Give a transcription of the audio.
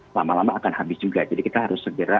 lama lama akan habis juga jadi kita harus segera